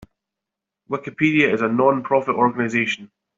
Wikipedia is a non-profit organization.